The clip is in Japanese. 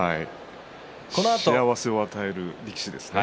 幸せを与える力士ですね。